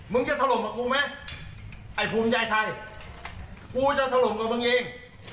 มึงจะถล่มกับกูไหมไอ้ภูมิใจไทยกูจะถล่มกับมึงเอง